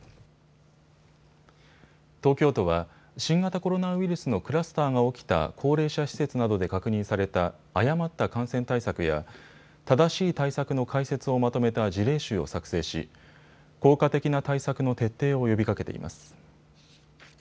東京都は新型コロナウイルスのクラスターが起きた高齢者施設などで確認された誤った感染対策や正しい対策の解説をまとめた事例集を作成し効果的な対策の徹底を呼びかけています。